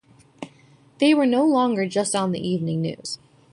They were no longer just on the evening news.